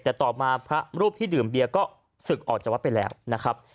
แต่ต่อมาพระรูปที่ดื่มเบียร์ก็ศึกออกจากวัดไปแล้วนะครับ